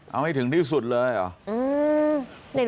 เอาให้ถึงที่สุดเลยเหรอ